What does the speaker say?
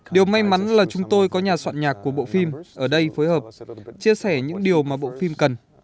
điều may mắn là chúng tôi có nhà soạn nhạc của bộ phim ở đây phối hợp chia sẻ những điều mà bộ phim cần